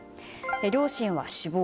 両親は死亡。